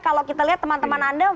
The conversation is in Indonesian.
kalau kita lihat teman teman anda